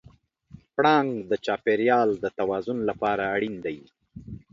پړانګ د چاپېریال د توازن لپاره اړین دی.